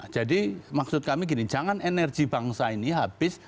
jadi maksud kami gini jangan energi bangsa ini habis